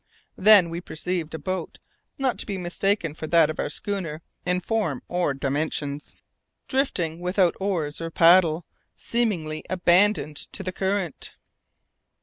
Then we perceived a boat, not to be mistaken for that of our schooner in form or dimensions, drifting without oars or paddle, seemingly abandoned to the current.